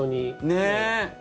ねえ。